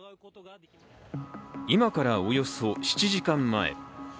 今からおよそ７時間前。